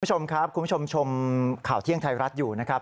คุณผู้ชมครับคุณผู้ชมชมข่าวเที่ยงไทยรัฐอยู่นะครับ